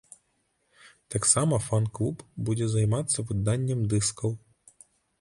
Таксама фан-клуб будзе займацца выданнем дыскаў.